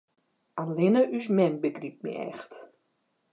Allinne ús mem begrypt my echt.